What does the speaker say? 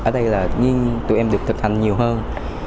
ở đây là nghiên tụi em được thực hành nhiều hơn